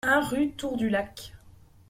un rue Tour du Lac